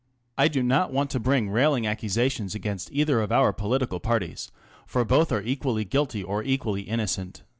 I do not want to bring railing accusations against either of our political parties, for both are equally guilty or equally innocent.